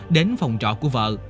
đến phòng trọ của vợ